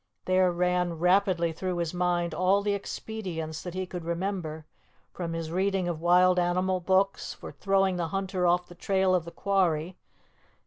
There ran rapidly through his mind all the expedients that he could remember, from his reading of wild animal books, for throwing the hunter off the trail of the quarry.